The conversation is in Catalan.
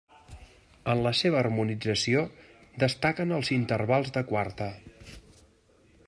En la seva harmonització destaquen els intervals de quarta.